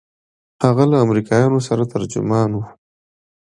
هغه له امريکايانو سره ترجمان و.